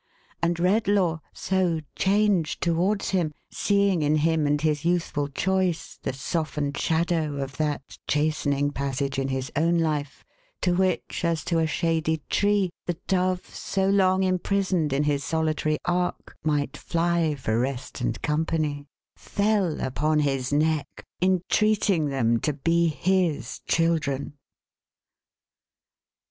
And Redlaw so changed towards him, seeing in him and his youthful choice, the softened shadow of that chastening passage in his own life, to which, as to a shady tree, the dove so long imprisoned in his solitary ark might fly for rest and company, fell upon his neck, entreating them to be his children.